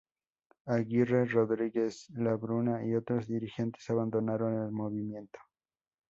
Aguirre, Rodríguez Labruna y otros dirigentes abandonaron el Movimiento.